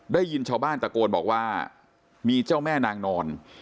ได้ยินชาวบ้านตะโกนบอกว่ามีเจ้าแม่นางนอน